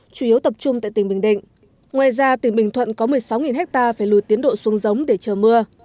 chủ yếu tập trung tại tỉnh bình định ngoài ra tỉnh bình thuận có một mươi sáu ha phải lùi tiến độ xuống giống để chờ mưa